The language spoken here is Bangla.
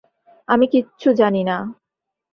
আমি কিচ্ছু জানি না।